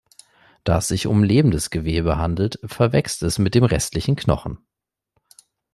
Da es sich um lebendes Gewebe handelt, verwächst es mit dem restlichen Knochen.